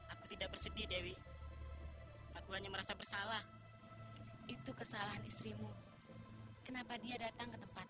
aku tidak bersedih dewi aku hanya merasa bersalah itu kesalahan istrimu kenapa dia datang ke tempat